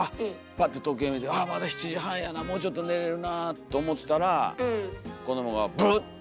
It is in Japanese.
パッて時計見て「ああまだ７時半やなもうちょっと寝れるなあ」と思ってたら子どもがブッ！って。